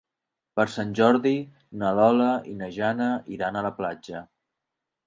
Per Sant Jordi na Lola i na Jana iran a la platja.